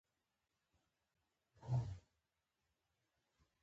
احمد د پټ جال په خپرولو بوخت وو.